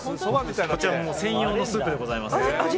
こちら専用のスープでございます。